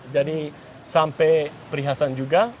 jadi sampai perhiasan juga